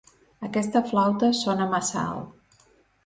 Aquesta flauta sona massa alt.